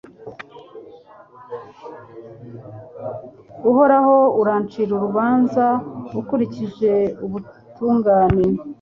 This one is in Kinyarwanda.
Uhoraho urancire urubanza ukurikije ubutungane